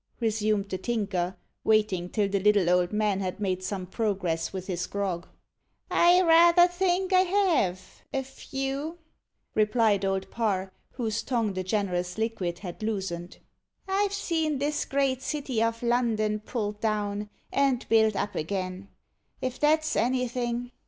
resumed the Tinker, waiting till the little old man had made some progress with his grog. "I rayther think I have a few," replied Old Parr, whose tongue the generous liquid had loosened. "I've seen this great city of London pulled down, and built up again if that's anything.